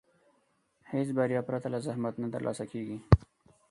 هېڅ بریا پرته له زحمت نه ترلاسه کېږي.